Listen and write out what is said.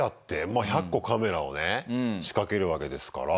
まあ１００個カメラをね仕掛けるわけですから。